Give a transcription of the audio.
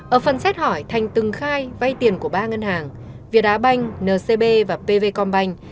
ở phần xét hỏi thành từng khai vay tiền của ba ngân hàng việt á banh ncb và pv com banh